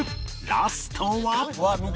ラストは